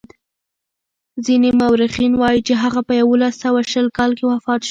ځینې مورخین وايي چې هغه په یوولس سوه شل کال کې وفات شو.